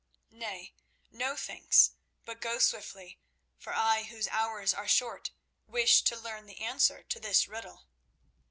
Nay, no thanks; but go swiftly, for I whose hours are short wish to learn the answer to this riddle."